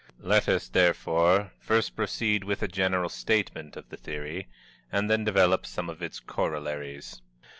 Let us, therefore, first proceed with a general statement of the theory and then develop some of its corollaries.